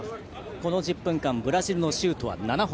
この１０分間ブラジルのシュートは７本。